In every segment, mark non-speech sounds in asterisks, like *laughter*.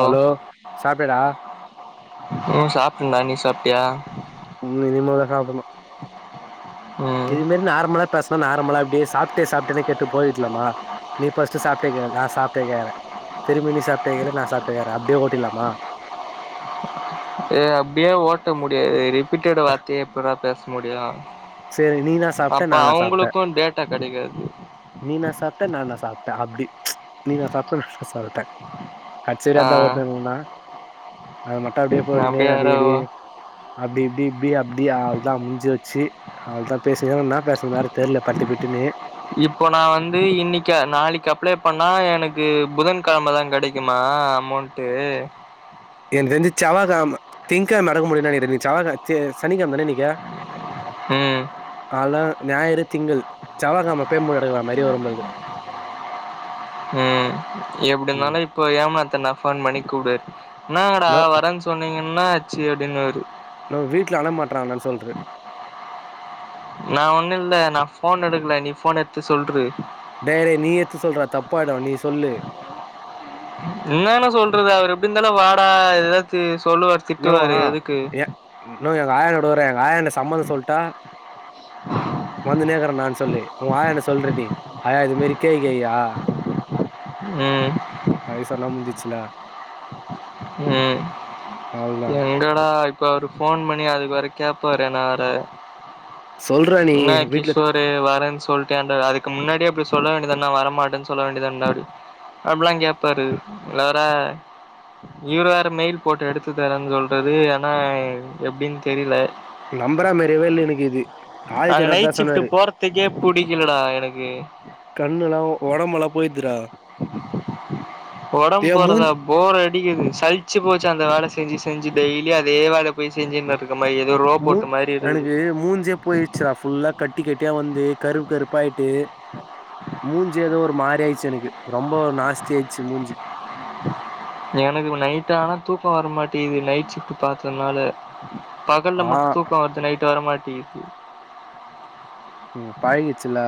Hello சாப்டியாடா ம் சாப்டேண்டா நீ சாப்டியா ம் இனிமே தா சாப்புட்ணு ம் இது மாரி நார்லா பேசலா நார்மலா அப்டியே சாப்பிட்டே சாப்பிட்டியானு கேட்டே போயிட்லாமா நீ ஃபர்ஸ்டு சாப்டியா கேளு நா சாப்டியா கேக்குறே திரும்பி நீ சாப்டியா கேளு நா சாப்டியா கேக்கற அப்டியே ஓட்டீடலாமா ஏ அப்டியே ஓட்ட முடியாது ரிப்பீட்டட் வார்த்தையே எப்பற்ற பேச முடியு சேரி நீ என்னா சாப்ட்ட அப்ப நா என்னா சாப்ட்டே அவுங்களுக்கு டேட்டா கெடைக்காது நீ நா சாப்ட்ட நானா சாப்ட்ட அப்டி நீ நா சாப்ட்ட நானா சாப்ட்ட கட்சி வரியு ஆ அதா ஓட்ண நனா அத மட்டு அப்டியே போட்டனே அப்படியே அடி வேற அடி அப்டி இப்டி இப்டி அப்டி அவ்ள்தா முஞ்சு வச்சு அவ்ள்தா பேசுங்கன்னா னா பேசனு வேற தெர்ல பட்டுபட்டுன்னு இப்போ நா வந்து இன்னக்கி நாளக்கி அப்ளே பண்ணா எனக்கு புதன் கெழமை தா கெடைக்குமா அமௌண் ட்டு எனக்கு தெரிஞ்சு செவ்வா கெழம திங்கெழம எறக்க முடியுன் நெனக்கிற இன்னக்கி செவ்வா க சே சனி கெழமதான இன்னக்கி ம் அலா ஞாயறு திங்கள் சவ்வா கெழமா பேமெண் எடுக்லா மாரி வரும் போலக்கு ம் எப்டி ம் இருந்தாலு இப்போ ஏமாத்துன ஃபோன் பண்ணி கூப்டு என்னாங்கடா நோ வரன் சொன்னீ என்னாச்சு அப்டின்னுவாரு நம்ம வீட்ல அழ மாற்றான்ன சொல்ரு நா ஒண்ணு இல்ல நா ஃபோன் எடுக்ல நீ ஃபோன் எடுத்து சொல்ரு டேய் டேய் நீ எத்து சொல்றா தப்பாய்டு நீ சொல்லு என்னானு சொல்றது அவரு எப்டி இருந்தாலு வாடா எதா து சொல்லுவா இன்னவா எ இன்னு எங்க ஆயாவோட வற எங்க ஆயா என்ன சம்மதொ சொல்ட்டா வந்துன்னேக்குறன்டா சொல்லு ஊ ஆயாட்ட சொல்ரு நீ ஆயா இது மேரி கேக் ஐயா ம் அயி சொன்னா முஞ்சுச்சுல ம் அவ்ள்த எங்கடா இப்ப அவரு ஃபோன் பண்ணி அதுக்கு வேற கேப்பாரு நா வேற சொல்றா நீ என்னா வீட்ல கிஷோரு வரன் சொல் ட்டன்டு அதுக்கு முன்னாடியே போய் சொல்ல வேண்டியது தான வரமாட்டன் சொல்ல வேண்டியதானா அப்புட்ல்லா கேப் பாரு இல வேற இவ்ரு வேற மெயில் போட்டு எடுத்து தரேன் சொல் றாரு ஆனா எப்டின் தெரில நம்பரா மாரியவே இல்ல எனக்கு இது அங்க ஆதித்யநாத் தா நைட் ஷிஃப்ட்டு சொன்னாரு போறத்துக்கே புடிக்கெலடா எனக்கு கண்ணுலா ஒடம்பலா போய்ர்துரா ஒடம் போறதா மூஞ் போர் அடிக்கிது சழ்ச்சு போச்சு அந்த வேல செஞ்சு செஞ்சு டெய்லியு அதே வேல பொய் செஞ்சுனு இருக்க மாருக்குது ரோபோட்டு மாரி இருக்குது ஏ மூஞ்சே போய் ச்சிரா ஃபுல்லா கட்டி கட்டியா வந்து கருப்பு கருப்பாய்ட்டு மூஞ்சு ஏதோ ஒரு மாரி ஆய்ச்சு எனக்கு ரொம்ப நாஸ்த்தி ஆய்ச்சு மூஞ்சு எனக்கு இப்ப நைட்டானா தூக்கொ வரமாட்டியிது நைட் ஷிஃப்ட் பாத்ததுனால ஆ பகல்ல மட்டு தூக்கொ வருது நைட்டு வர மாட்டியிது ம் பழகியிச்சுலா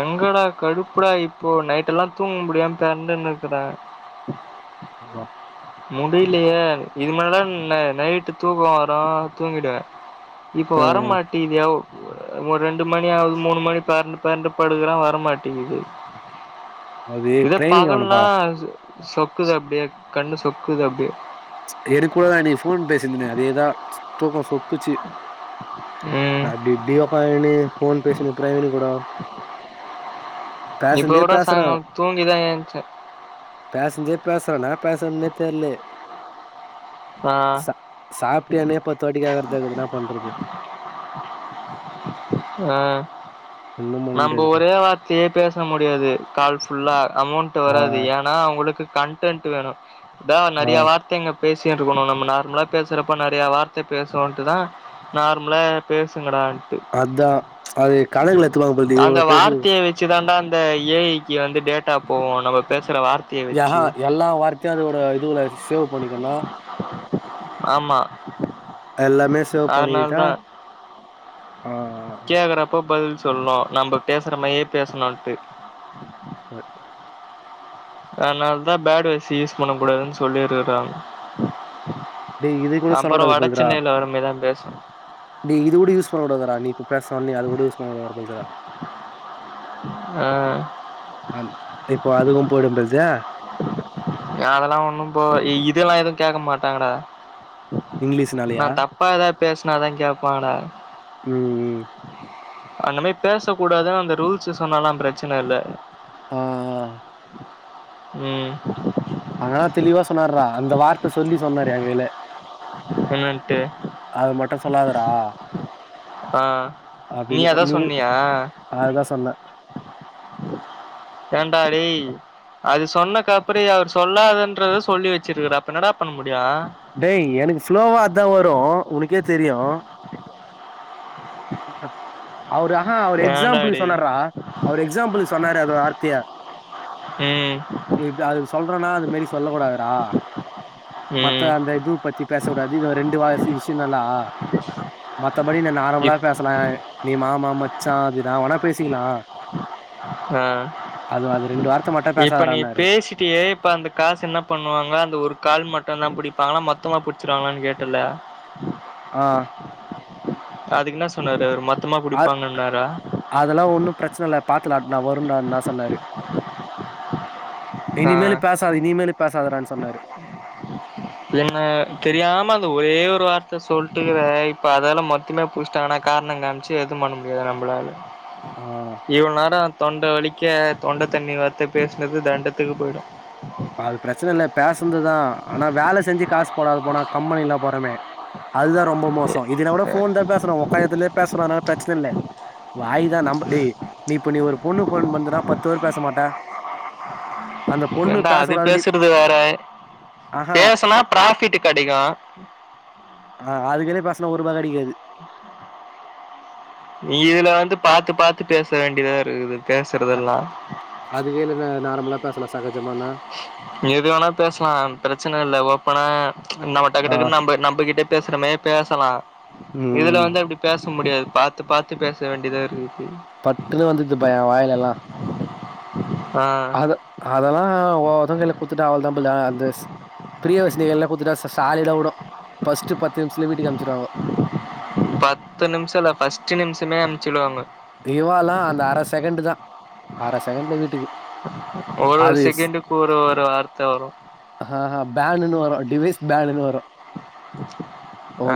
எங்கடா கடுப்புடா இப்போ நைட்டெல்லா தூங்க முடியாம பெரண்டுன்னுருக்குற உங்க முடிய்லயே இது மேலதா ந நைட்டு தூக்கொ வரு தூங்கிடுவ இப்ப ம். வரமாட்டேயிதுயோவ் ஒர் ரெண்டு மணி ஆவ்து மூணு மணி பெரண்டு பெரண்டு படுக்குற வரமாட்டிகிது அது இதே ட்ரைனிங் பகல்னா ஆவணும்பா ச சொக்குது அப்டியே கண்ணு சொக்குது அப்டியே எனக்கூடதா நீ ஃபோன் பேசிர்ந்தனே அதேதா தூக்கொ சொக் ம் அப்டி இப்டி ஒக்காந்துக்குனு ஃபோன் பேசினு ப்ரவீனு கூடோ இப்ப கூட பேசுறா சாய்ங்கம் தூங்கிதா ஏச்சே பேசுஞ்ச பேசரனா பேசலயான்னே தெர்லயே ஆ ச சாப்பிட்டாயனே பத்துவாட்டி கேக்குரது அதுக்கு என்னா பண்றது ஆ ஒன்னும் பண்ண நம்ப முடியாதுப்பா ஒரே வார்த் த்தையே பேச முடியாது கால் ஃபுல்லா அமௌண்ட் ஆ வராது ஏன் நா அவங்ளுக்கு கண்டன்ட் வேணும் இதா ஆ நெறைய வார்த்தைங்க பேசி ச்சை எடுக்கணு நம்ம நார்மலா பேசுறப்ப நெறைய வார்த்த பேசுவோன்ட்டு தா நார்மலா ஏதா பேசுங்கடா அதா அது கலேலக எடுத்துவாங்க போலது இவள பேசி ச்சு தாண்டா அந்த ஏ ஐ க்கு வந்து டேட்டா போவோம் நம்ம பேசுற வார்த் யாஹா எல்லா வார்த்தையு அதோட இதுல சேவ் பண்ணிக்குன்னா ஆமா எல்லாமே சேவ் பண்ணிகுட்டா கேக்குறப்போ பதில் சொல்லு நம்ப பேசுற மாரியே பேசணுட்டு ஹ அதுனாலதா பேட் வேட்ஸ் யூஸ் பண்ண கூடாதுன்னு சொல்லிருக்குறாங்க டேய் இது கூட அப்புறம் சொல்லக்கூடாது வட சென்னையில வரமேரிதான் பேசும் நீ இதுட யூஸ்பண்ண கூடாதடா நீ இப்ப பேசரோம்ல்லையா அதுகூட யூஸ் பண்ணடாதுபோலயா ஹம் அம் இப்போ அதுக்கு போயிடம்பல்தே யா அதெல்லா ஒண்ணு போ இதெல்லா எதுவு கேட்க மாட்டாங்கடா இங்கிலீஷ்னாலையா அப்பா ஏதாவது பேசுனாதா கேப்பாங்கடா உம் உம் அந்த மாரி பேச கூடாதுன்னு அந்த ரூல்ஸ் சொன்னாலா ப்ரச்சன இல்ல ஆ ஹா உம் அதனா தெளிவா சொன்னார்ரா அந்த வார்த்த சொல்லி சொன்னாரு ஏங்கைல என்னன்ட்டு அது மட்டு சொல்லாதடா ஆ நீ அப்டின்னு அதா ஓன்னுமே சொன்னியா ஆதுதா சொன்னே ஏண்டா டேய் அது சொன்னக்கு அப்புறோயு அவர் சொல்லாதன்றத சொல்லி வச்சிருக்கற அப்ப என்ன டா பண்ணமுடியு டேய் எனக்கு ஸ்ளோவா அதா வரு உனக்கே தெரியு அவரு ஆனா அவர் ஏன்டா எக்ஸாம்பிளுக்கு டேய் சொன்னாருடா அவரு எக்ஸாம்பிளுக்கு சொன்னாரு அது வார்த்தைய ம் நீ இப்ப அதுக்கு சொல்றேன்னா அது மாரி சொல்ல கூடாதுடா மத்த ம் அந்த இதுவு பத் பத்தி பேசக்கூடாது இது ரெண்டு வயசு விஷயம் தாண்டா மத்தபடி இது இப் நார்மலாக பேசலேன் நீ மாமா மச்சான் அது என்னா வேனா பேசிக்கலா ஆ அதுவு அது ரெண்டு வார்த்த மட்டு இப்ப நீ பேசாதறனாரு பேசிட்டியே இப்ப அந்த காசு என்ன பண்ணுவாங்க அந்த ஒரு கால் மட்டும்தா புடிப்பாங்ளா மொத்தமா புடிச்சிருவாங்ளானு கேட்டல்ல *unintelligible* ஆ அதுக்குனா சொன்னாரு அவ்ரு மொத்தமா அது புடிப்பாங்கன்னாரா அதெல்லா ஒன்னு பிரச்சனை இ பாத்துலட நா வரும்டுன சொன்னாரு ஆ இனிமேல பேசாது இனிமேல பேசாாதடானு சொன்னாரு என்ன தெரியாம அந்த ஒரே ஒரு வார்த்த சொல்லிட்டுக்கிற இப்ப அதால மொத் ம்ம புஸிட்டாங்கனா காரண காமிச்சு எதுவு பண்ண முடியாது நம்பள ஆ இவ்ள நேரோ தொண்ட வலிக்க தொண்ட தண்ணி வத்த பேசுனது தண்டத்துக்கு போயிடு அது பிரச்சன இல்ல பேசுனதுதா ஆனா வேல செஞ்சு காசு போடாது போனா கம்பெனில போறமே அதுதா ரொம்ப மோசொ இதன கூட ஃபோன் தா பேசுறோ உக்காந்த எடத்துலயே பேசறோ அதனால பிரச்சன இல்ல வாய் தா நம்ப டேய் நீ இப்ப நீ ஒரு பொண்ணு ஃபோன் பண்துடா பத்து பேர் பேச மாட்ட அந்த பொண்ணு ஏன்டா அது பேசக்கூடாது நீ பேசுறது வேற ஆஹா பேசுனா பிராஃபிட் கெடைக்கு ஆ அதுக்கே பேசுனா ஒருபா கெடைக்காது நீ இதுல வந்து பாத்து பாத்து பேச வேண்டியதா இருக்குது பேசுறதெல்லா அது கேலனா நார்மலா பேசலா சகஜமா ன்னா எது வேனா பேசலா பிரச்சனை இல்ல ஓப்பனா நம்ம டக்கு ஆ டக்குனு நம்ப நம்ப கிட்ட பேசுறமே பேசலா ம் இதுல ம் வந்து அப்டி பேச முடியாது பாத்து பாத்து பேச வேண்டியதா இருக்குது பட்டுனு வந்துடுது பா எ வாயிலல்லா ஆ அதெல்லா ஓதுல குத்துட்டா அவளதாம்போல அந்த ஸ் பிரிய வசினியல்ல எல்லா குத்துட்டா சாலிட வுடு ஃபஸ்ட் பத்து நிமிஷத்துல வீட்டுக்கு அமிச்சுறுவாங்க பத்து நிமிஷ இல்ல ஃபஸ்ட் நிமிஷமே அம்ச்சுடுவாங்க இவாலா அந்த அர செகண்ட் தா அர செகண்ட் வீட்டுக்கு ஒரு ஒரு அது செகண்டுக்கு ஒரு ஒரு வார்த்த வரு அ ஆ பேனுனு வரு டிவைஸ் பேனுனு வரு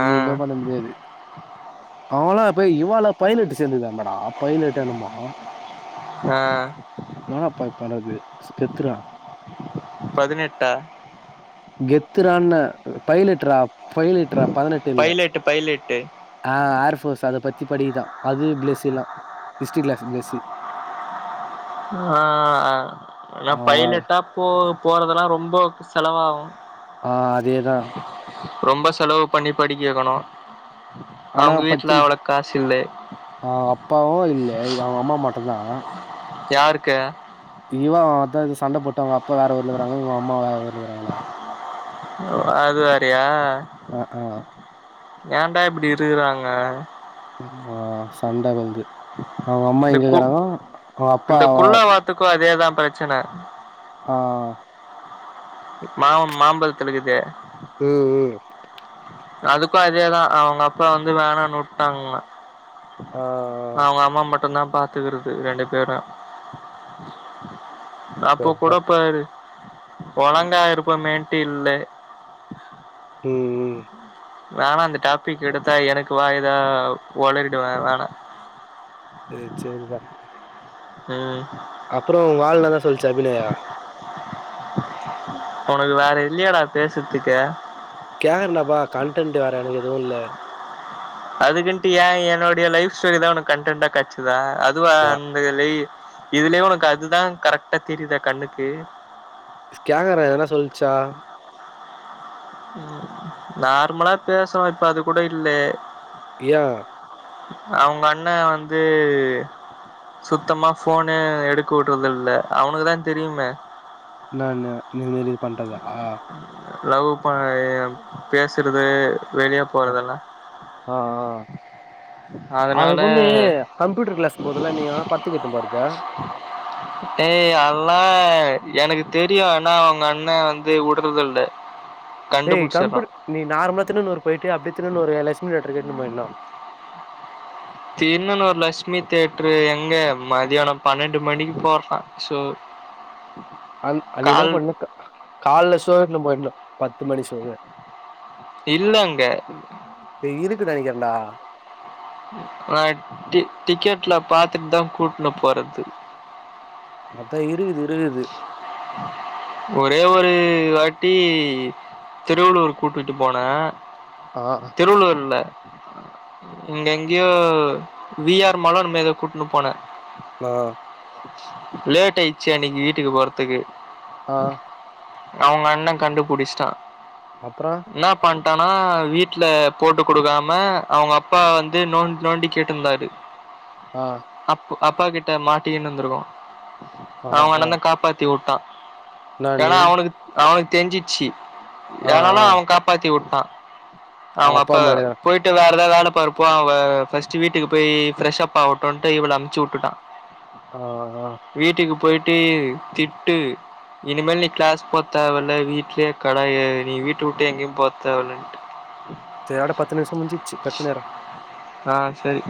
ஆ பண்ண முடியாது அவலாம் இப்ப இவால பைலட் சேந்துதானடா பைலட் என்னமோ ஆ நானா பை பணது ஸ்கெத்துறா பதினெட்டா கெத்துறான்ன பைலட்ரா ஃபைலிட்ரா பதினெட்டு இல்ல பைலட்டு பைலட்டு அ ஆர்ஃபோர்ஸ் அத பத்தி படிதா அது பிளெஸ் எல்லா ஹிஸ்ட்ரி கிளாஸ் பிளஸ்ஸு ஆ என்ன அவன் பைலட்டாப்போ போறதெலா ரொம்ப செலவாவு ஆ அதேதா ரொம்ப செலவு பண்ணி படிக்க வைக்கணு அவங்க வீட்ல அவ்ளோ காசு இல்லே அ அப்பாவு இல்ல அவங்க அம்மா மட்டுந்தா யாருக்கு இவ அத இது சண்ட போட்டு அவ அப்ப வேற ஊர்ல இருக்கறாங்க இவங்க அம்மா வேற ஊர்ல இருக்கறாங்க அது வேறயா அ ஆ ஏன்டா இப்டி இருக்கறாங்க ஆ சண்ட வந்து அவங்க அம்மா இந்த எங்கக்கறாங்க அவங்க அப்பா த்துக்கு அதேதா பிரச்சனை ஆ மா மாம்பழத்துலக்குது ம் ம் அதுக்கு அதேதா அவங்க அப்பா வந்து வேணானு வுட்டாங்க ஆ அவங்க அம்மா மட்டுந்தாபா கத்துக்கிறது ரெண்டு பேரும் அப்போ சரிதா கூடப்பாரு ஒழங்கா இருப்ப மேட்டு இல்ல ம் ம் வேணா அந்த டாபிக் எடுத்தா எனக்கு வாய்தா ஒளரிடுவேன் வேணா இது சேரிதா ம் அப்பறம் உங்க ஆளு என்னா தான் சொல்லிச்சி அபிநயா உனக்கு வேற இல்லையாடா பேசுறதுக்கே கேக்குனாபா கண்டென்ட் வேற எனக்கு எதுவும் இல்ல அதுக்குன்ட்டு ஏ என்னோடைய லைஃப்ஸ்டோரி தான் உனக்கு கண்டெண்டா கெடச்சிதா அதுவும் ஆ துலே இதுலயே உனக்கு அதுதான் கரெக்டா தெரியுதா கண்ணுக்கு கேக்குறேன் என்னா சொல்லிச்சா ம் நார்மளா பேஸ்னோ இப்ப அது கூட இல்லே ஏ அவுங்க அண்ணே வந்து சுத்தமா போனே எடுக்க விடுறது இல்ல அவனுக்குதான் தெரியுமே என்னனு இந்த மாரி இது பண்றதா லவ் ப எ பேசுறது வெளியே போறதெல்லாம் ஆஆ அந்த அதனால பெண்ணே கம்ப்யூட்டர் கிளாஸ் போதுல நீ வேனா படத்துக்கு இட்டுனு போறதே ஏய் அதல்லாம் எனக்கு தெரியும் ஆனா அவுங்க அண்ண வந்து வுடுறது இல்ல ஏய் கம்யூட் கண்டுபுடிச்சிடுறான் நீ நார்மலா தின்னனுர் போய்ட்டு அப்டி தின்னனூர் லட்சுமி தேட்டர் இட்டுனு போய்னும் தின்னனுனூர் லட்மி தேட்டர் எங்க மதியானம் பன்னெண்டு மணிக்கு போடுறான் சோ அ அ நீ என்ன கால் பண்ணணும் கால்ல சோ இட்னு போயிடணும் பத்து மணி சோவே இல்லங்க டேய் இருக்கு நெனைக்கிறேண்டா ஆ டிக்கெட்ல பாத்துட்டு தான் கூட்ன்னு போறது அதான் இருக்குது இருக்குது ஒரே ஒரு வாட்டி திருவள்ளூர் கூட்டிட்டு போன ஆ திருவள்ளூர்ல இங்க எங்கயோ வி ஆர் மாலோ ஏதோ கூட்ன்னு போன ஆ லேட் ஆயிடுச்சி அன்னிக்கி வீட்டுக்கு போறதுக்கு ஆ அவுங்க அண்ண கண்டுபுடிச்சிட்டா அப்பறோ என்ன பண்ட்டானா வீட்ல போட்டு குடுக்காம அவுங்க அப்பா வந்து நோன் நோண்டி கேட்டுருந்தாரு அ அப் அப்பா கிட்ட மாட்டினு இருந்திருக்கோ ஆ அவங்க ஆ அண்ண தான் காப்பாத்தி வுட்டான் ஏன்னா என்னான்னு அவனுக்கு அவனுக்கு தெரிஞ்சிச்சி ஆ ஏனன்னா ஆ அவன் காப்பாத்தி விட்டான் அவ அவுங்க அப்பா மாரிதா போயிட் டு வேற எதாவ் வேல பாரு போ அவ ஃபஸ்ட் வீட்டுக்கு போய் ஃப்ரஷ் அப் ஆகட்டும்னு இவள அம்ச்சி விட்டுட்டான் ஆ ஆ வீட்டுக்கு போய்ட்டு திட்டு இனிமேல் நீ கிளாஸ் போ தேவல வீட்லே கெட நீ வீட்டு விட்டு எங்கேயு போத்தேவல்ல இதோட பத்து நிமிஷம் முஞ்சுச்சு கட் பண்ணிடுறே ஆ செரி